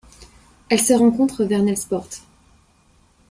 Elle se rencontre vers Nelspoort.